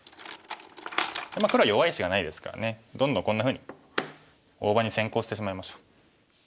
黒は弱い石がないですからねどんどんこんなふうに大場に先行してしまいましょう。